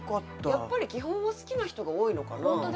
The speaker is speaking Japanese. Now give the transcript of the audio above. やっぱり基本は好きな人の方が多いのかな？